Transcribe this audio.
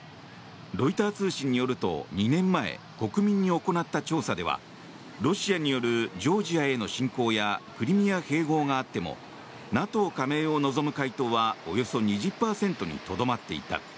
ロイター通信によると、２年前国民に行った調査ではロシアによるジョージアへの侵攻やクリミア併合があってもＮＡＴＯ加盟を望む回答はおよそ２０％にとどまっていた。